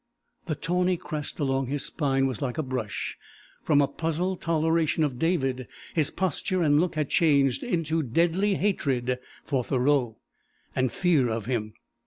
The tawny crest along his spine was like a brush; from a puzzled toleration of David his posture and look had changed into deadly hatred for Thoreau, and fear of him.